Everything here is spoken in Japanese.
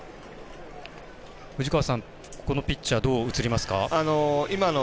藤川さん、このピッチャーどう映りますか？